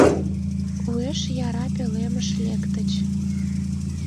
Уэш яра пӧлемыш лектыч.